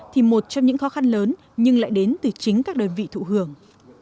thì một trong những khó khăn lớn nhưng lại đến từ chính các đơn vị thụ hưởng